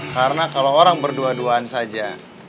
karena kalo orang berdua duaan saja